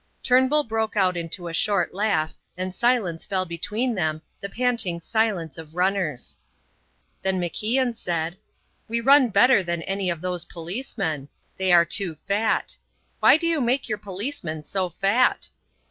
Turnbull broke out into a short laugh, and silence fell between them, the panting silence of runners. Then MacIan said: "We run better than any of those policemen. They are too fat. Why do you make your policemen so fat?"